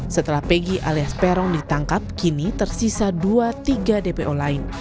setelah pegi alias peron ditangkap kini tersisa dua tiga dpo lain